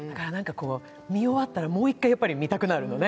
見終わったら、もう一回見たくなるのね。